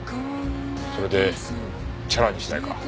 それでチャラにしないか？